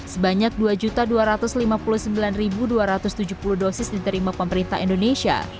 sebanyak dua dua ratus lima puluh sembilan dua ratus tujuh puluh dosis diterima pemerintah indonesia